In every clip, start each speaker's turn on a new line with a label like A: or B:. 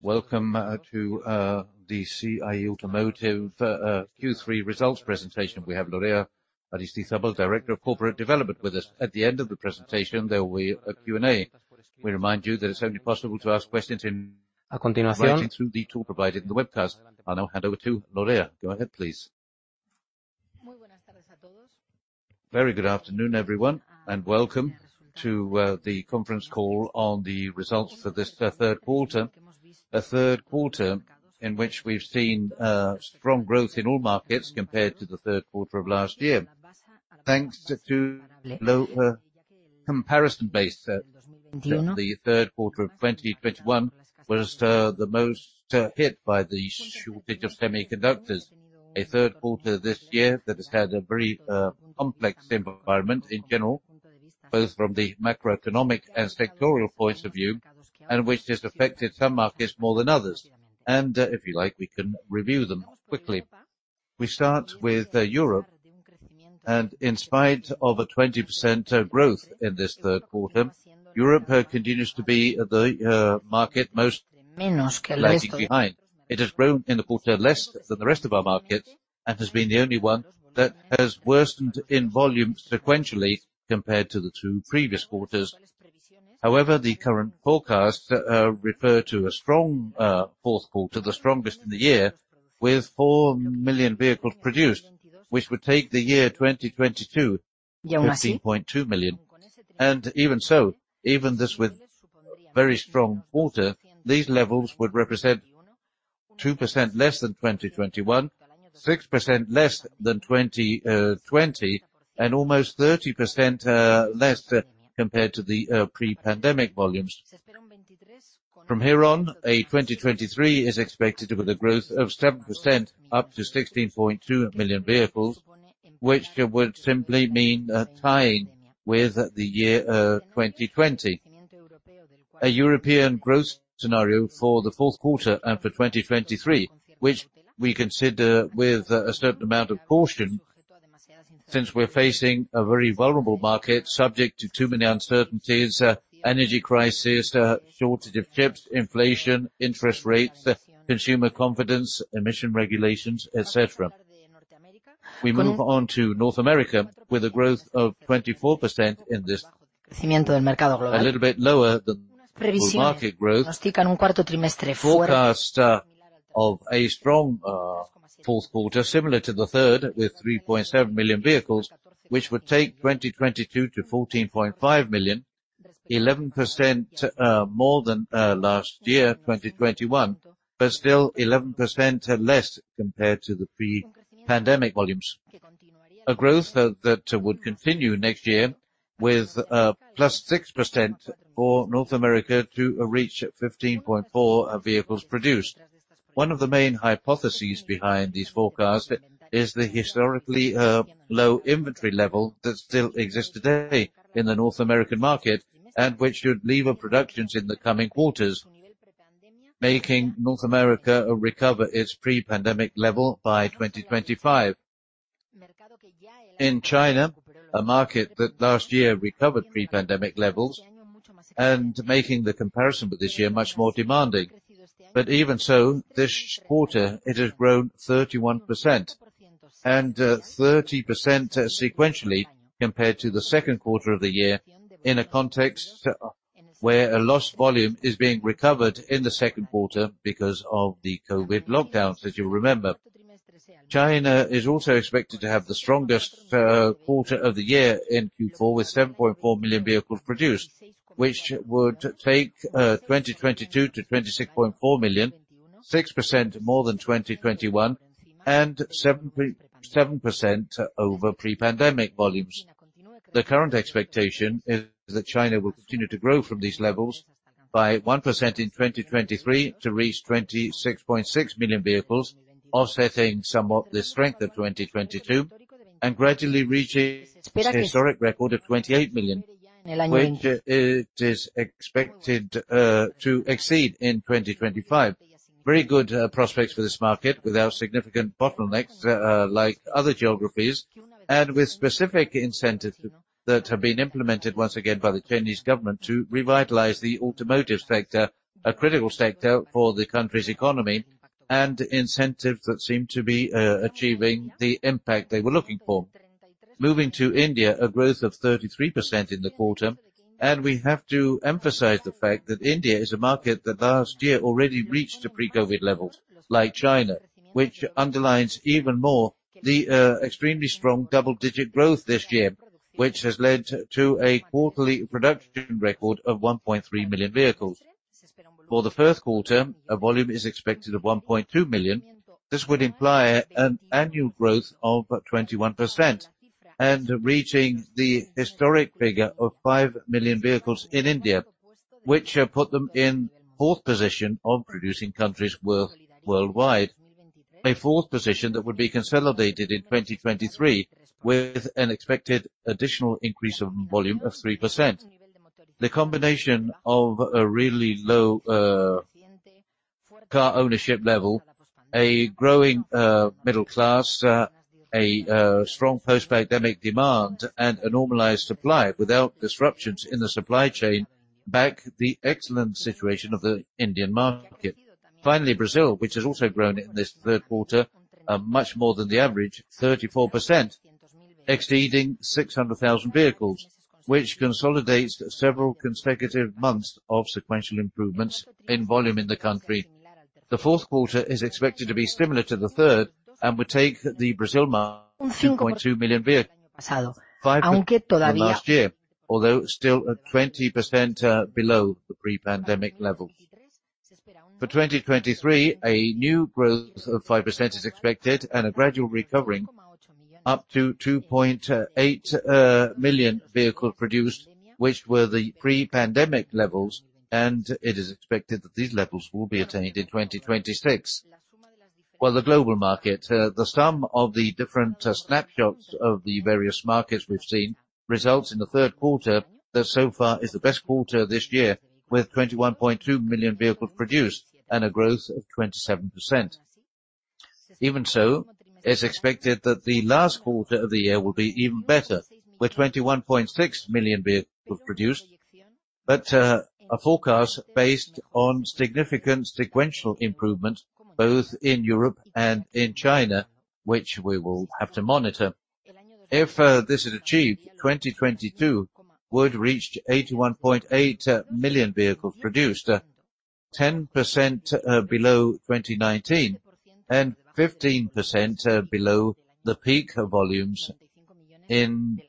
A: Welcome to the CIE Automotive Q3 results presentation. We have Lorea Aristizabal, Director of Corporate Development with us. At the end of the presentation, there will be a Q&A. We remind you that it's only possible to ask questions through the tool provided in the webcast. I now hand over to Lorea. Go ahead, please.
B: Very good afternoon, everyone, and welcome to the conference call on the results for this 1/3 1/4. A 1/3 1/4 in which we've seen strong growth in all markets compared to the 1/3 1/4 of last year. Thanks to a low comparison base, the 1/3 1/4 of 2021 was the most hit by the shortage of semiconductors. A 1/3 1/4 this year that has had a very complex environment in general, both from the macroeconomic and sectoral points of view, and which has affected some markets more than others. If you like, we can review them quickly. We start with Europe, and in spite of a 20% growth in this 1/3 1/4, Europe continues to be the market most lagging behind. It has grown in the 1/4 less than the rest of our markets and has been the only one that has worsened in volume sequentially compared to the 2 previous quarters. However, the current forecasts refer to a strong fourth 1/4, the strongest in the year, with 4 million vehicles produced, which would take the year 2022 to 15.2 million. Even so, even this with very strong 1/4, these levels would represent 2% less than 2021, 6% less than 2020, and almost 30% less compared to the Pre-Pandemic volumes. From here on, 2023 is expected with a growth of 7% up to 16.2 million vehicles, which would simply mean a tying with the year 2020. A European growth scenario for the fourth 1/4 and for 2023, which we consider with a certain amount of caution since we're facing a very vulnerable market subject to too many uncertainties, energy crisis, shortage of chips, inflation, interest rates, consumer confidence, emission regulations, et cetera. We move on to North America with a growth of 24% in this Crecimiento del mercado global. A little bit lower than global market growth. Forecast of a strong fourth 1/4 similar to the 1/3 with 3.7 million vehicles, which would take 2022 to 14.5 million, 11% more than last year, 2021. Still 11% less compared to the Pre-Pandemic volumes. A growth that would continue next year with +6% for North America to reach 15.4 vehicles produced. One of the main hypotheses behind these forecasts is the historically low inventory level that still exists today in the North American market and which should leverage productions in the coming quarters, making North America recover its Pre-Pandemic level by 2025. In China, a market that last year recovered Pre-Pandemic levels and making the comparison with this year much more demanding. Even so, this 1/4 it has grown 31% and 30% sequentially compared to the second 1/4 of the year in a context where a lost volume is being recovered in the second 1/4 because of the COVID lockdowns, as you'll remember. China is also expected to have the strongest 1/4 of the year in Q4 with 7.4 million vehicles produced, which would take 2022 to 26.4 million, 6% more than 2021, and 7% over Pre-Pandemic volumes. The current expectation is that China will continue to grow from these levels by 1% in 2023 to reach 26.6 million vehicles, offsetting somewhat the strength of 2022 and gradually reaching its historic record of 28 million, which it is expected to exceed in 2025. Very good prospects for this market without significant bottlenecks like other geographies, and with specific incentives that have been implemented once again by the Chinese government to revitalize the automotive sector, a critical sector for the country's economy, and incentives that seem to be achieving the impact they were looking for. Moving to India, a growth of 33% in the 1/4, and we have to emphasize the fact that India is a market that last year already reached Pre-COVID levels like China, which underlines even more the extremely strong Double-Digit growth this year, which has led to a quarterly production record of 1.3 million vehicles. For the first 1/4, a volume is expected of 1.2 million. This would imply an annual growth of 21% and reaching the historic figure of 5 million vehicles in India, which put them in fourth position of producing countries worldwide. A fourth position that would be consolidated in 2023, with an expected additional increase of volume of 3%. The combination of a really low car ownership level, a growing middle class, a strong Post-Pandemic demand and a normalized supply without disruptions in the supply chain back the excellent situation of the Indian market. Finally, Brazil, which has also grown in this 1/3 1/4 much more than the average, 34%, exceeding 600,000 vehicles, which consolidates several consecutive months of sequential improvements in volume in the country. The fourth 1/4 is expected to be similar to the 1/3 and would take the Brazil market to 0.25 million vehicles from last year, although still at 20% below the Pre-Pandemic levels. For 2023, a new growth of 5% is expected and a gradual recovering up to 2.8 million vehicles produced, which were the Pre-Pandemic levels, and it is expected that these levels will be attained in 2026. Well, the global market. The sum of the different snapshots of the various markets we've seen results in the 1/3 1/4 that so far is the best 1/4 this year, with 21.2 million vehicles produced and a growth of 27%. Even so, it's expected that the last 1/4 of the year will be even better, with 21.6 million vehicles produced. A forecast based on significant sequential improvement both in Europe and in China, which we will have to monitor. If this is achieved, 2022 would reach 81.8 million vehicles produced, 10% below 2019 and 15% below the peak volumes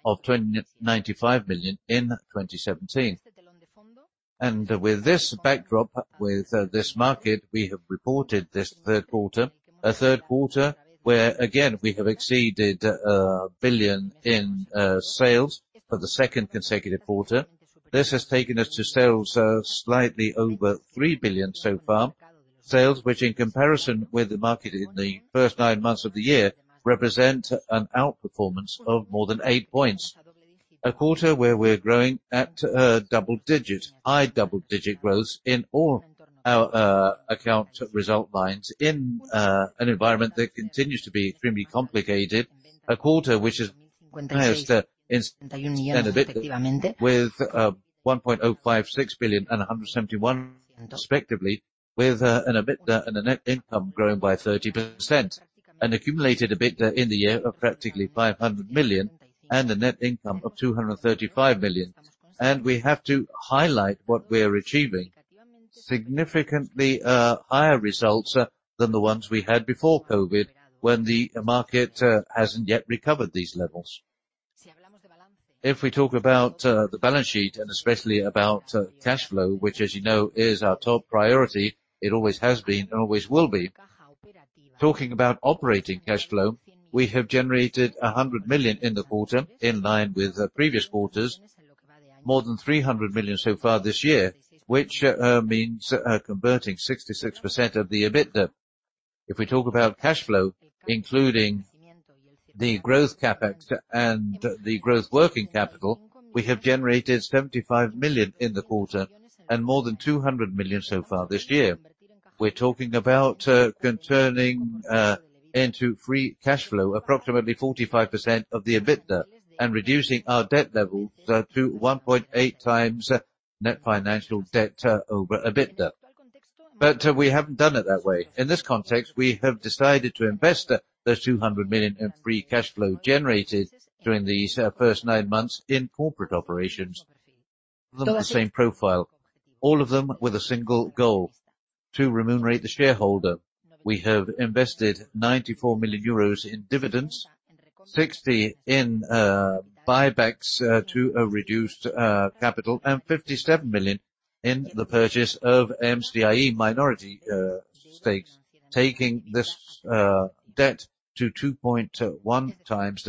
B: of 95 million in 2017. With this backdrop, with this market, we have reported this 1/3 1/4. A 1/3 1/4 where again, we have exceeded 1 billion in sales for the second consecutive 1/4. This has taken us to sales of slightly over 3 billion so far. Sales, which in comparison with the market in the first 9 months of the year, represent an outperformance of more than eight points. A 1/4 where we're growing at double digit. High Double-Digit growth in all our account result lines in an environment that continues to be extremely complicated. A 1/4 which has highest EBITDA, with 1.056 billion and 171 million respectively, with an EBITDA and a net income growing by 30%. An accumulated EBITDA in the year of practically 500 million, and a net income of 235 million. We have to highlight what we are achieving, significantly higher results than the ones we had before COVID, when the market hasn't yet recovered these levels. If we talk about the balance sheet and especially about cash flow, which as you know, is our top priority, it always has been and always will be. Talking about operating cash flow, we have generated 100 million in the 1/4, in line with the previous quarters, more than 300 million so far this year, which means converting 66% of the EBITDA. If we talk about cash flow, including the growth CapEx and the growth working capital, we have generated 75 million in the 1/4 and more than 200 million so far this year. We're talking about converting into free cash flow, approximately 45% of the EBITDA and reducing our debt level to 1.8 times net financial debt over EBITDA. We haven't done it that way. In this context, we have decided to invest the 200 million in free cash flow generated during these first 9 months in corporate operations. All with the same profile, all of them with a single goal, to remunerate the shareholder. We have invested 94 million euros in dividends, 60 million in buybacks to a reduced capital, and 57 million in the purchase of MCIE minority stakes, taking this debt to 2.1 times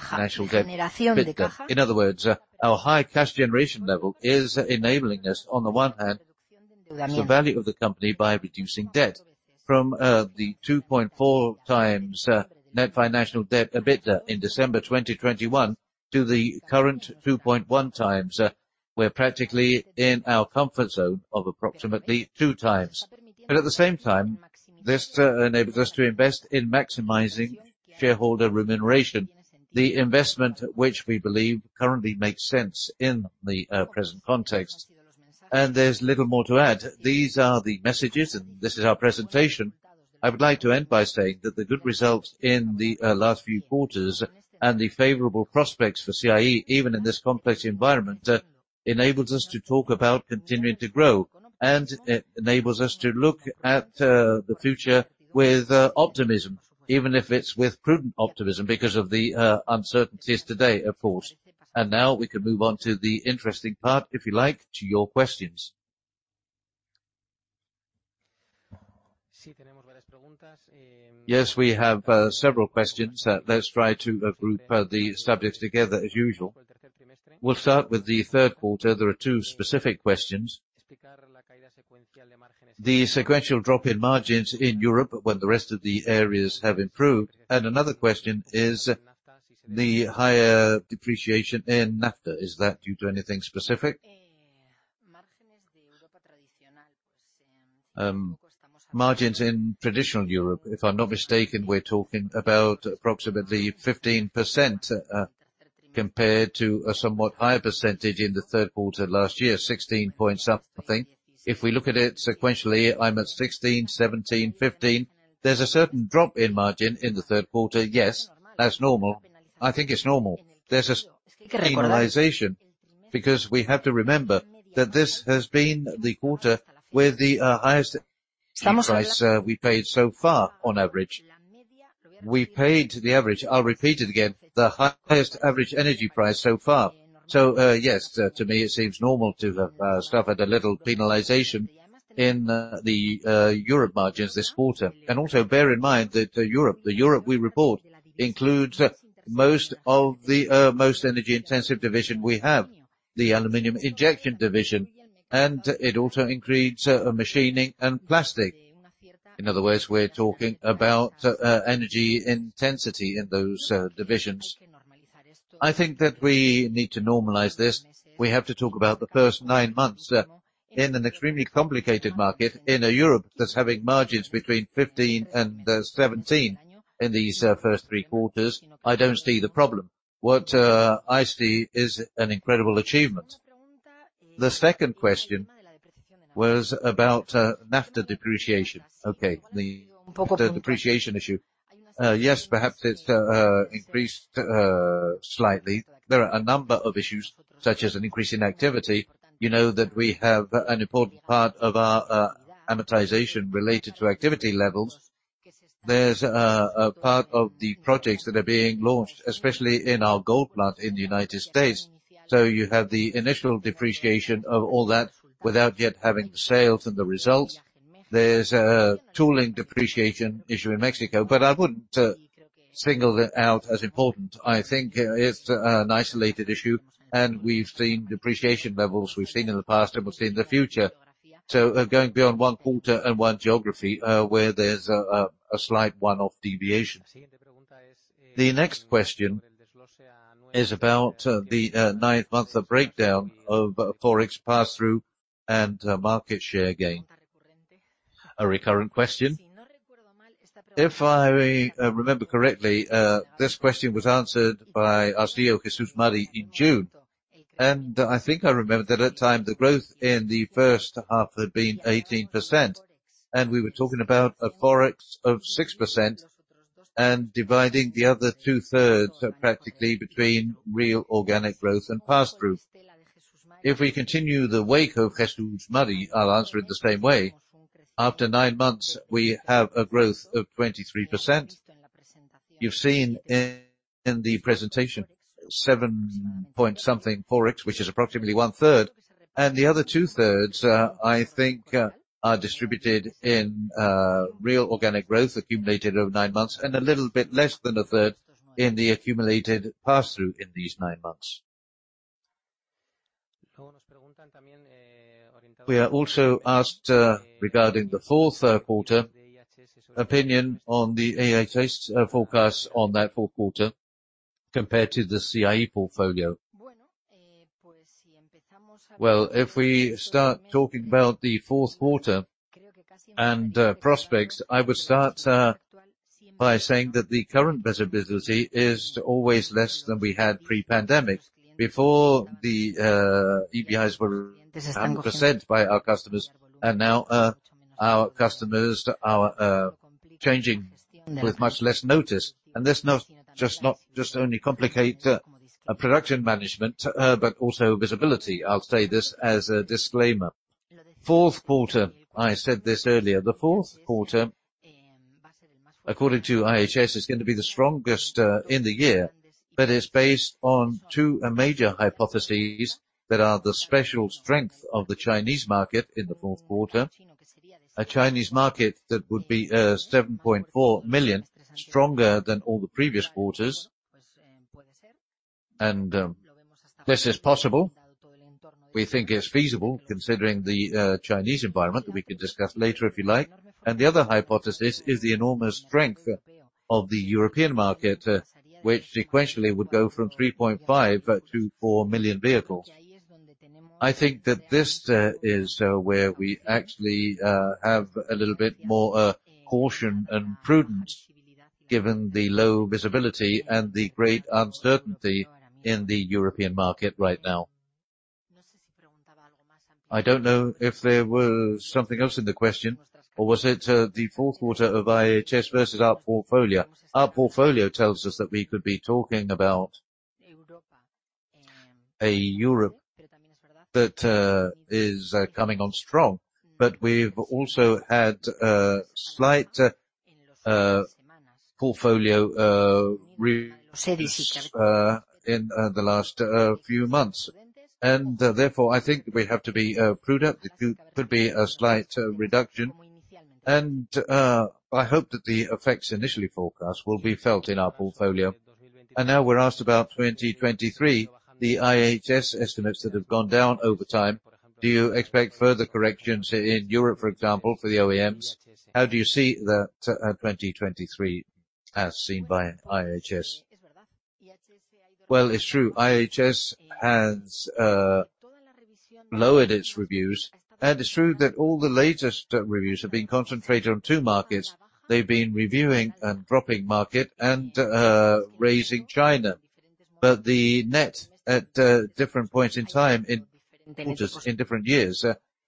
B: financial debt EBITDA. In other words, our high cash generation level is enabling us, on the one hand, the value of the company by reducing debt from the 2.4 times net financial debt EBITDA in December 2021 to the current 2.1 times. We're practically in our comfort zone of approximately 2 times. But at the same time, this enables us to invest in maximizing shareholder remuneration. The investment which we believe currently makes sense in the present context. There's little more to add. These are the messages, and this is our presentation. I would like to end by saying that the good results in the last few quarters and the favorable prospects for CIE, even in this complex environment, enables us to talk about continuing to grow, and it enables us to look at the future with optimism, even if it's with prudent optimism because of the uncertainties today, of course. Now we can move on to the interesting part, if you like, to your questions. Yes, we have several questions. Let's try to group the subjects together as usual. We'll start with the 1/3 1/4. There are 2 specific questions. The sequential drop in margins in Europe when the rest of the areas have improved, and another question is, The higher depreciation in NAFTA, is that due to anything specific? Margins in traditional Europe, if I'm not mistaken, we're talking about approximately 15%, compared to a somewhat higher percentage in the 1/3 1/4 last year, 16 point something. If we look at it sequentially, I'm at 16, 17, 15. There's a certain drop in margin in the 1/3 1/4. Yes, that's normal. I think it's normal. There's a penalization because we have to remember that this has been the 1/4 where the highest price we paid so far on average. We paid the average. I'll repeat it again, the highest average energy price so far. Yes, to me, it seems normal to have suffered a little penalization in the Europe margins this 1/4. Also bear in mind that Europe, the Europe we report includes most of the most energy-intensive division we have, the aluminum injection division, and it also includes machining and plastic. In other words, we're talking about energy intensity in those divisions. I think that we need to normalize this. We have to talk about the first 9 months in an extremely complicated market in a Europe that's having margins between 15%-17% in these first 3 quarters. I don't see the problem. What I see is an incredible achievement. The second question was about NAFTA depreciation. Okay. The depreciation issue. Yes, perhaps it's increased slightly. There are a number of issues, such as an increase in activity. You know that we have an important part of our amortization related to activity levels. There's a part of the projects that are being launched, especially in our Golde plant in the United States. You have the initial depreciation of all that without yet having the sales and the results. There's a tooling depreciation issue in Mexico, but I wouldn't single it out as important. I think it's an isolated issue, and we've seen depreciation levels we've seen in the past and we'll see in the future. Going beyond one 1/4 and one geography, where there's a slight one-off deviation. The next question is about the 9-month breakdown of Forex pass-through and market share gain. A recurrent question. If I remember correctly, this question was answered by Jesús María Herrera in June. I think I remember that at that time, the growth in the first 1/2 had been 18%, and we were talking about a Forex of 6% and dividing the other 2-1/3s practically between real organic growth and pass-through. If we continue in the wake of Jesús María, I'll answer it the same way. After 9 months, we have a growth of 23%. You've seen in the presentation 7-something Forex, which is approximately one-1/3, and the other 2-1/3s, I think, are distributed in real organic growth accumulated over 9 months and a little bit less than a 1/3 in the accumulated pass-through in these 9 months. We are also asked regarding the fourth 1/4 opinion on the IHS Markit forecast on that fourth 1/4 compared to the CIE portfolio. Well, if we start talking about the fourth 1/4 and prospects, I would start by saying that the current visibility is always less than we had Pre-Pandemic. Before, the EDIs were 100% by our customers, and now our customers are changing with much less notice. This not only complicate production management but also visibility. I'll say this as a disclaimer. Fourth 1/4, I said this earlier, the fourth 1/4, according to IHS, is going to be the strongest in the year, but it's based on 2 major hypotheses that are the special strength of the Chinese market in the fourth 1/4. A Chinese market that would be 7.4 million, stronger than all the previous quarters. This is possible. We think it's feasible considering the Chinese environment. We can discuss later if you like. The other hypothesis is the enormous strength of the European market, which sequentially would go from 3.5 to 4 million vehicles. I think that this is where we actually have a little bit more caution and prudence, given the low visibility and the great uncertainty in the European market right now. I don't know if there was something else in the question or was it the fourth 1/4 of IHS versus our portfolio. Our portfolio tells us that we could be talking about a Europe that is coming on strong. We've also had a slight portfolio in the last few months. Therefore, I think we have to be prudent. It could be a slight reduction. I hope that the effects initially forecast will be felt in our portfolio. Now we're asked about 2023, the IHS estimates that have gone down over time. Do you expect further corrections in Europe, for example, for the OEMs? How do you see the 2023 as seen by IHS? Well, it's true. IHS has lowered its revisions, and it's true that all the latest revisions have been concentrated on 2 markets. They've been revising and dropping market and raising China. But the net effect at different points in time in quarters, in different years,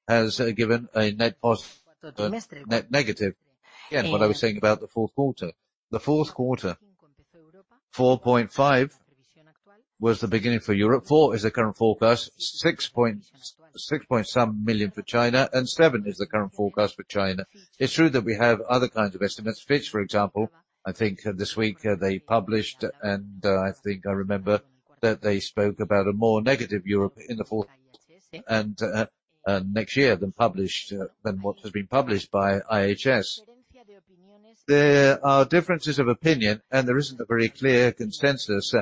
B: has given a net negative. Again, what I was saying about the fourth 1/4. The fourth 1/4, 4.5 was the beginning for Europe, 4 is the current forecast, six point some million for China, and 7 is the current forecast for China. It's true that we have other kinds of estimates. Fitch, for example, I think this week, they published, and I think I remember that they spoke about a more negative Europe in the fourth and next year than published, than what has been published by IHS. There are differences of opinion, and there isn't a very clear consensus,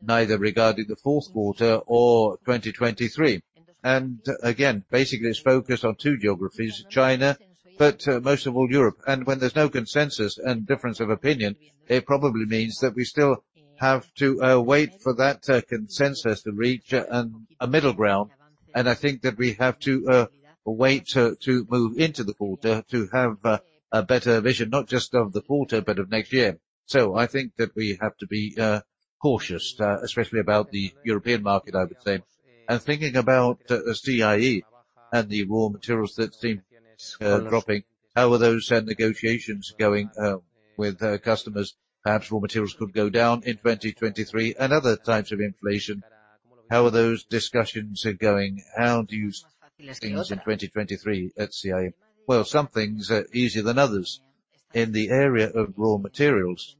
B: neither regarding the fourth 1/4 or 2023. Basically, it's focused on 2 geographies, China, but most of all Europe. When there's no consensus and difference of opinion, it probably means that we still have to wait for that consensus to reach a middle ground. I think that we have to wait to move into the 1/4 to have a better vision, not just of the 1/4, but of next year. I think that we have to be cautious, especially about the European market, I would say. Thinking about the CIE and the raw materials that seem dropping, how are those negotiations going with customers? Perhaps raw materials could go down in 2023 and other types of inflation. How are those discussions going? How do you see things in 2023 at CIE? Well, some things are easier than others. In the area of raw materials,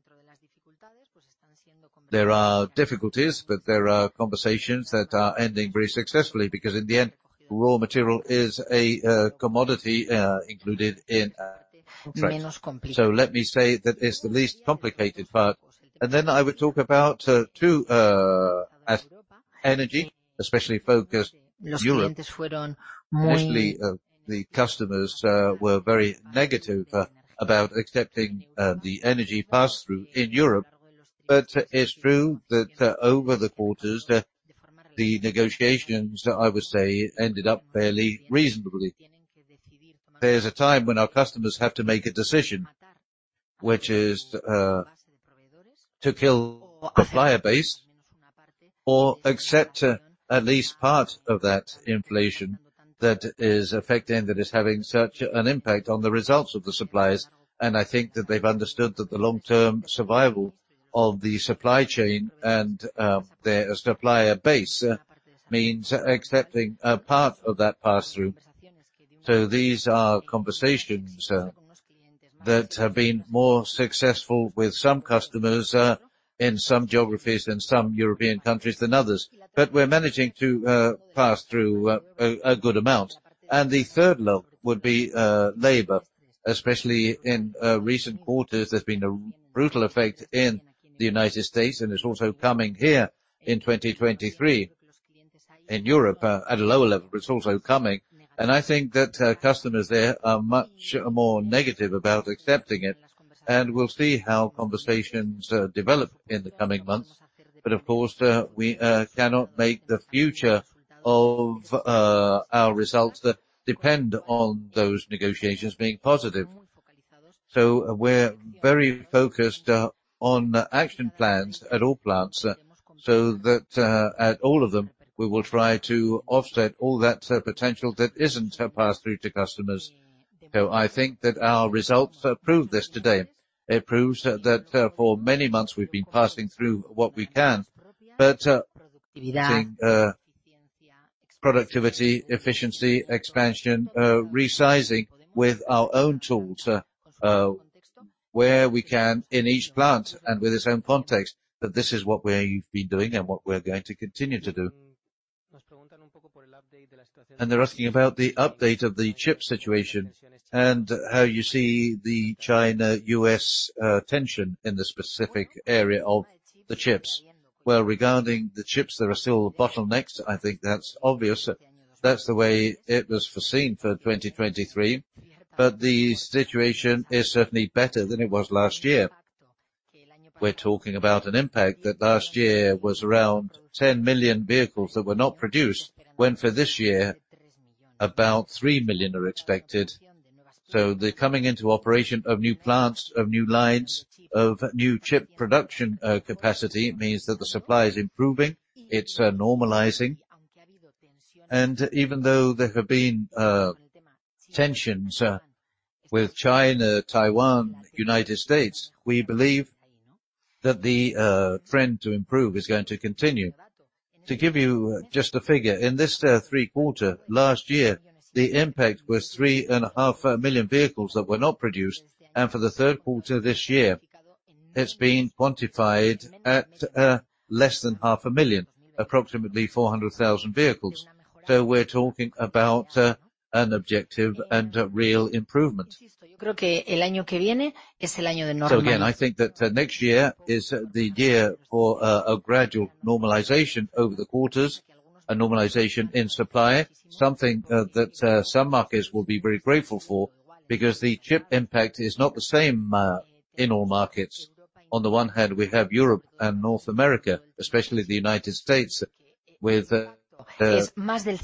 B: there are difficulties, but there are conversations that are ending very successfully because in the end, raw material is a commodity included in trade. Let me say that it's the least complicated part. I would talk about 2 areas, energy, especially focused on Europe. Initially, the customers were very negative about accepting the energy pass-through in Europe. It's true that over the quarters, the negotiations, I would say, ended up fairly reasonably. There's a time when our customers have to make a decision, which is to kill their supplier base or accept at least part of that inflation that is having such an impact on the results of the suppliers. I think that they've understood that the long-term survival of the supply chain and their supplier base means accepting a part of that pass-through. These are conversations that have been more successful with some customers in some geographies in some European countries than others. We're managing to pass through a good amount. The 1/3 look would be labor, especially in recent quarters. There's been a brutal effect in the United States, and it's also coming here in 2023. In Europe at a lower level, but it's also coming. I think that customers there are much more negative about accepting it. We'll see how conversations develop in the coming months. Of course, we cannot make the future of our results that depend on those negotiations being positive. We're very focused on action plans at all plants so that at all of them, we will try to offset all that potential that isn't a pass-through to customers. I think that our results prove this today. It proves that for many months we've been passing through what we can. I think productivity, efficiency, expansion, resizing with our own tools where we can in each plant and with its own context, that this is what we've been doing and what we're going to continue to do. They're asking about the update of the chip situation and how you see the China-U.S. tension in the specific area of the chips. Well, regarding the chips, there are still bottlenecks. I think that's obvious. That's the way it was foreseen for 2023. The situation is certainly better than it was last year. We're talking about an impact that last year was around 10,000,000 vehicles that were not produced, when for this year, about 3,000,000 are expected. The coming into operation of new plants, of new lines, of new chip production, capacity means that the supply is improving, it's normalizing. Even though there have been tensions with China, Taiwan, United States, we believe that the trend to improve is going to continue. To give you just a figure, in this 1/3 1/4, last year, the impact was 3,500,000 vehicles that were not produced. For the 1/3 1/4 this year, it's been quantified at less than 500,000, approximately 400,000 vehicles. We're talking about an objective and a real improvement. Again, I think that next year is the year for a gradual normalization over the quarters, a normalization in supply, something that some markets will be very grateful for because the chip impact is not the same in all markets. On the one hand, we have Europe and North America, especially the United States with the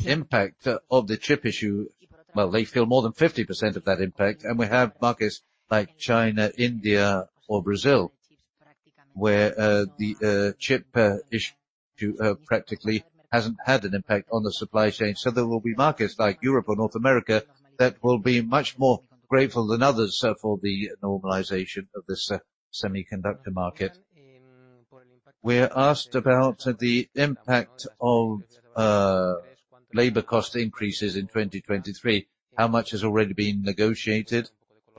B: impact of the chip issue. Well, they feel more than 50% of that impact. We have markets like China, India or Brazil where the chip issue practically hasn't had an impact on the supply chain. There will be markets like Europe or North America that will be much more grateful than others for the normalization of the semiconductor market. We're asked about the impact of labor cost increases in 2023, how much has already been negotiated?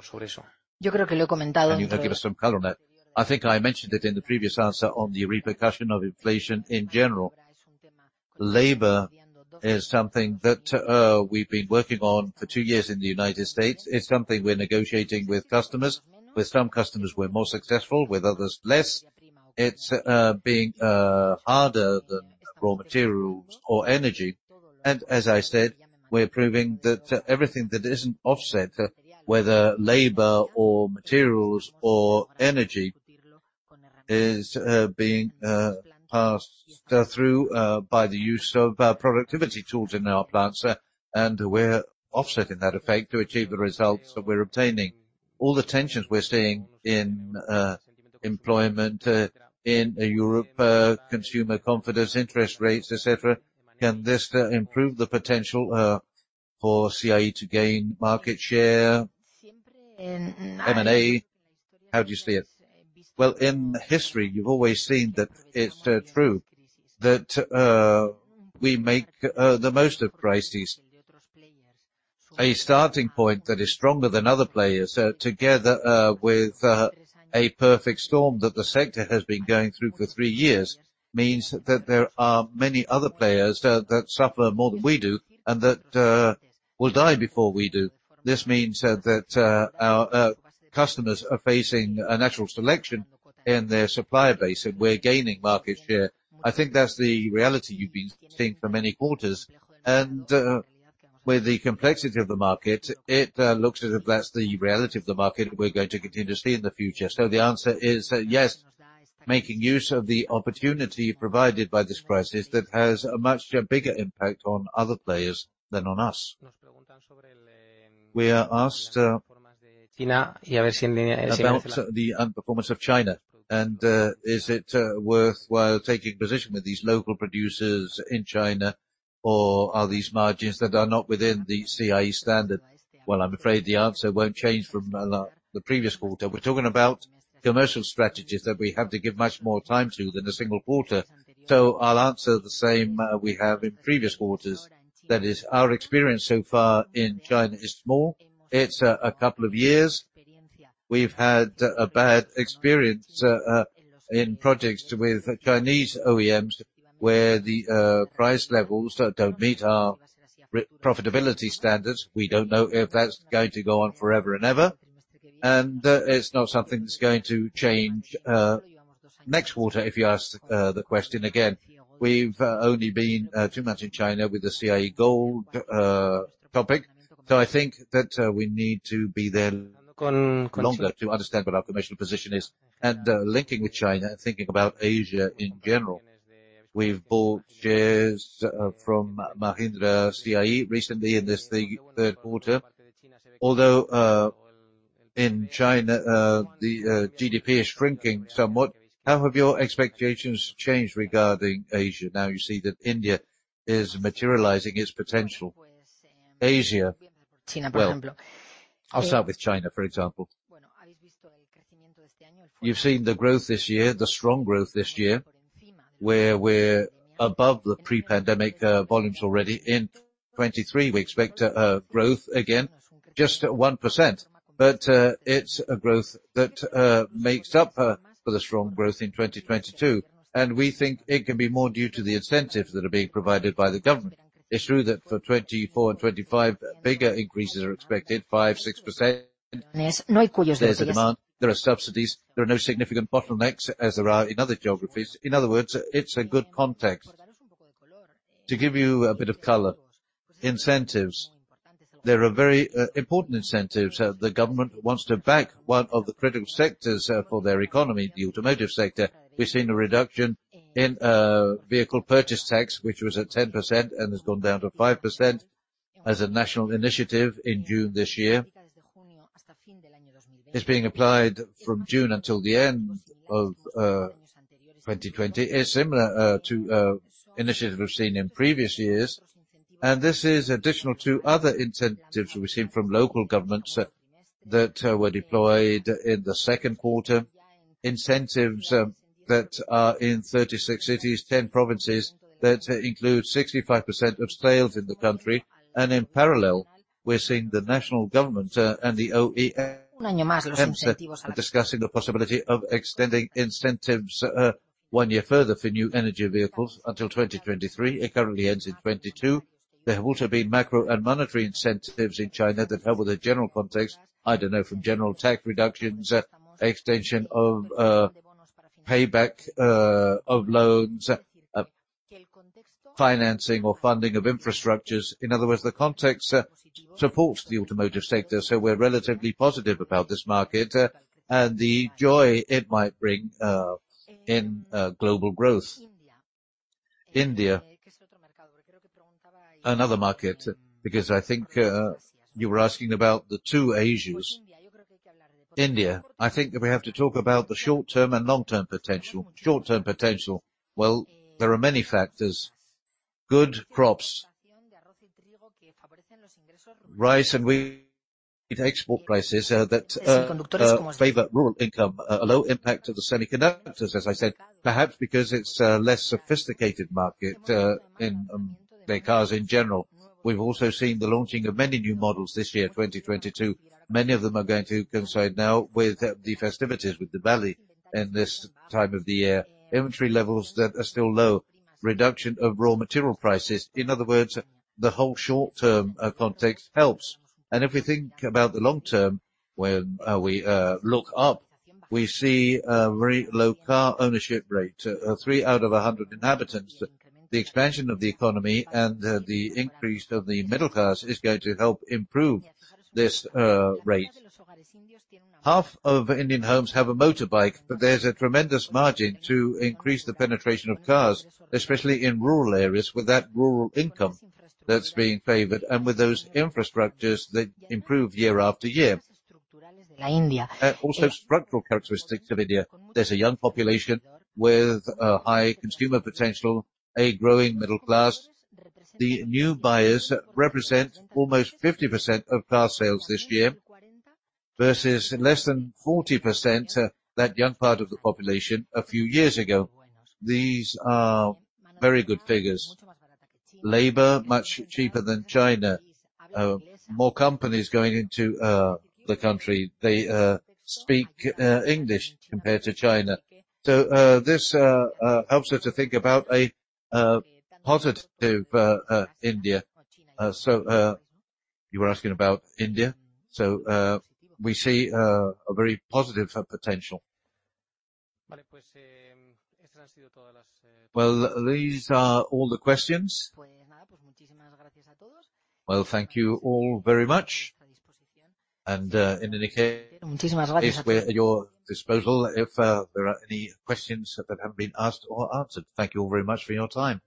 B: Can you give us some color on that? I think I mentioned it in the previous answer on the repercussion of inflation in general. Labor is something that we've been working on for 2 years in the United States. It's something we're negotiating with customers. With some customers, we're more successful, with others less. It's being harder than raw materials or energy. As I said, we're proving that everything that isn't offset, whether labor or materials or energy is being passed through by the use of productivity tools in our plants, and we're offsetting that effect to achieve the results that we're obtaining. All the tensions we're seeing in employment in Europe, consumer confidence, interest rates, et cetera, can this improve the potential for CIE to gain market share? M&A, how do you see it? Well, in history you've always seen that it's true that we make the most of crises. A starting point that is stronger than other players, together with a perfect storm that the sector has been going through for 3 years, means that there are many other players that suffer more than we do and that will die before we do. This means that our customers are facing a natural selection in their supplier base, and we're gaining market share. I think that's the reality you've been seeing for many quarters. With the complexity of the market, it looks as if that's the reality of the market we're going to continue to see in the future. The answer is yes, making use of the opportunity provided by this crisis that has a much bigger impact on other players than on us. We are asked about the underperformance of China and is it worthwhile taking position with these local producers in China or are these margins that are not within the CIE standard? Well, I'm afraid the answer won't change from the previous 1/4. We're talking about commercial strategies that we have to give much more time to than a single 1/4. I'll answer the same we have in previous quarters. That is our experience so far in China is small. It's a couple of years. We've had a bad experience in projects with Chinese OEMs where the price levels don't meet our profitability standards. We don't know if that's going to go on forever and ever, and it's not something that's going to change next 1/4 if you ask the question again. We've only been 2 months in China with the CIE Golde topic. So I think that we need to be there longer to understand what our commercial position is. Linking with China, thinking about Asia in general, we've bought shares from Mahindra CIE recently in the 1/3 1/4. Although in China the GDP is shrinking somewhat, how have your expectations changed regarding Asia now you see that India is materializing its potential? Well, I'll start with China, for example. You've seen the growth this year, the strong growth this year, where we're above the Pre-Pandemic volumes already. In 2023, we expect growth again, just at 1%, but it's a growth that makes up for the strong growth in 2022, and we think it can be more due to the incentives that are being provided by the government. It's true that for 2024 and 2025, bigger increases are expected, 5%-6%. There's demand, there are subsidies, there are no significant bottlenecks as there are in other geographies. In other words, it's a good context. To give you a bit of color, incentives, there are very important incentives. The government wants to back one of the critical sectors for their economy, the automotive sector. We've seen a reduction in vehicle purchase tax, which was at 10% and has gone down to 5% as a national initiative in June this year. It's being applied from June until the end of 2020. It's similar to initiatives we've seen in previous years, and this is additional to other incentives we've seen from local governments that were deployed in the second 1/4, incentives that are in 36 cities, 10 provinces that include 65% of sales in the country. In parallel, we're seeing the national government and the OEMs discussing the possibility of extending incentives one year further for new energy vehicles until 2023. It currently ends in 2022. There have also been macro and monetary incentives in China that help with the general context, I don't know, from general tax reductions, extension of payback of loans, financing or funding of infrastructures. In other words, the context supports the automotive sector, so we're relatively positive about this market, and the joy it might bring in global growth. India, another market, because I think you were asking about the 2 Asias. India, I think that we have to talk about the short-term and long-term potential. Short-term potential, well, there are many factors, good crops. Rice and wheat export prices that favor rural income, a low impact to the semiconductors, as I said, perhaps because it's a less sophisticated market in their cars in general. We've also seen the launching of many new models this year, 2022. Many of them are going to coincide now with the festivities, with Diwali in this time of the year. Inventory levels that are still low, reduction of raw material prices. In other words, the whole short-term context helps. If we think about the long term, when we look up, we see a very low car ownership rate, 3 out of 100 inhabitants. The expansion of the economy and the increase of the middle class is going to help improve this rate. Half of Indian homes have a motorbike, but there's a tremendous margin to increase the penetration of cars, especially in rural areas with that rural income that's being favored and with those infrastructures that improve year after year. Also structural characteristics of India. There's a young population with high consumer potential, a growing middle class. The new buyers represent almost 50% of car sales this year versus less than 40% that young part of the population a few years ago. These are very good figures. Labor much cheaper than China. More companies going into the country. They speak English compared to China. This helps us to think about a positive India. You were asking about India. We see a very positive potential. Well, these are all the questions. Well, thank you all very much. In any case, we're at your disposal if there are any questions that haven't been asked or answered. Thank you all very much for your time.